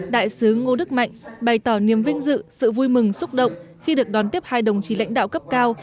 đại sứ ngô đức mạnh bày tỏ niềm vinh dự sự vui mừng xúc động khi được đón tiếp hai đồng chí lãnh đạo cấp cao